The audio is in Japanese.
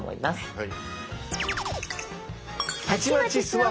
はい。